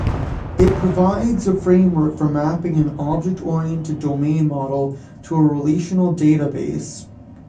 It provides a framework for mapping an object-oriented domain model to a relational database.